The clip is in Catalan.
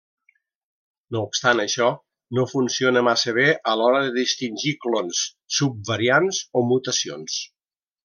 No obstant això, no funciona massa bé a l'hora de distingir clons, subvariants o mutacions.